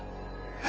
え？